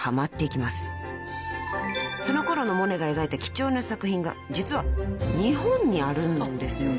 ［そのころのモネが描いた貴重な作品が実は日本にあるんですよね］